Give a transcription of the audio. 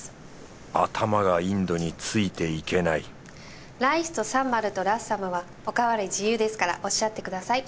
頭がインドについていけないライスとサンバルとラッサムはおかわり自由ですからおっしゃってください。